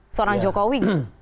seorang jokowi kan